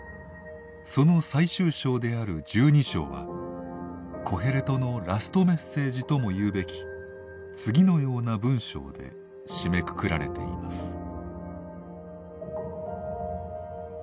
その最終章である１２章はコヘレトのラストメッセージとも言うべき次のような文章で締めくくられています。